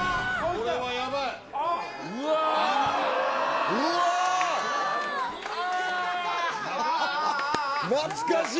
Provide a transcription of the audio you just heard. これはやばい。